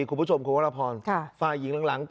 คุณผู้ชมคุณวรพรฝ่ายหญิงหลัง